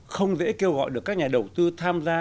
không dễ kêu gọi được các nhà đầu tư tham gia